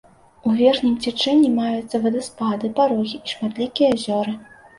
У верхнім цячэнні маюцца вадаспады, парогі і шматлікія азёры.